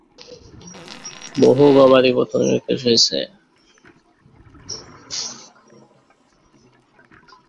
বহু গবাদি পশু নিখোঁজ হয়েছে।